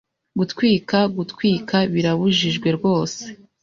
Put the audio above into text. Gutwika ... gutwika ...birabujijwe rwose